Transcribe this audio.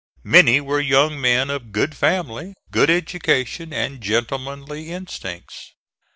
Many were young men of good family, good education and gentlemanly instincts.